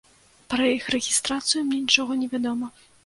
Пра іх рэгістрацыю мне нічога невядома.